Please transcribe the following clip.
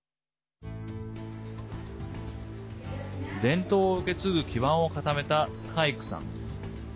伝統を受け継ぐ基盤を固めたスカイクさん。